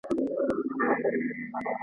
چي راضي راڅخه روح د خوشحال خان سي.